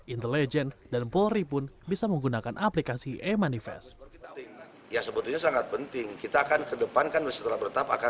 intelijen dan polri pun bisa menggunakan aplikasi e manifest